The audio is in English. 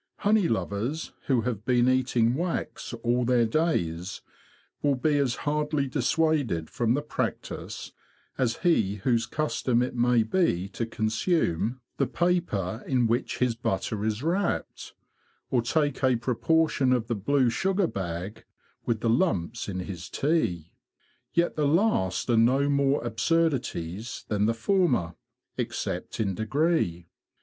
Honey lovers who have been eating wax all their days will be as hardly dissuaded from the practice as he whose custom it may be to consume the paper 107 108 THE BEE MASTER OF WARRILOW in which his butter is wrapped, or take a proportion of the blue sugar bag with the lumps in his tea. Yet the last are no more absurdities than the former, except in degree.